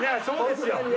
そうですよ！